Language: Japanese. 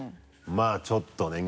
まぁちょっとね